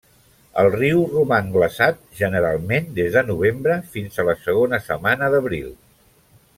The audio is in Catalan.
El riu roman glaçat generalment des de novembre fins a la segona setmana d'abril.